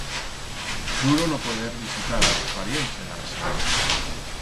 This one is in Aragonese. Duro no poder visitar a los parients en la residencia.